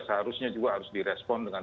seharusnya juga harus di respons dengan